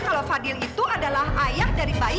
kalau fadil itu adalah ayah dari bayi